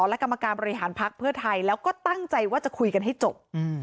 และกรรมการบริหารพักเพื่อไทยแล้วก็ตั้งใจว่าจะคุยกันให้จบ